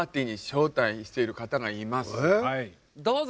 どうぞ！